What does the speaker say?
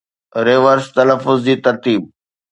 reverse تلفظ جي ترتيب